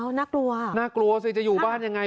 น่ากลัวน่ากลัวสิจะอยู่บ้านยังไง